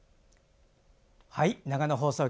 長野放送局